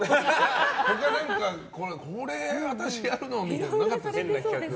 他、何か、これ私やるの？みたいなのなかったですか？